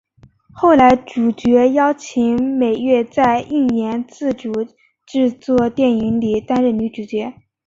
后来主角邀请美月在映研自主制作电影里担任女主角。